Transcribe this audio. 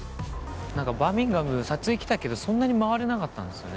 何かバーミンガム撮影来たけどそんなに回れなかったんですよね。